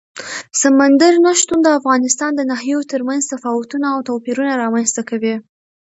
سمندر نه شتون د افغانستان د ناحیو ترمنځ تفاوتونه او توپیرونه رامنځ ته کوي.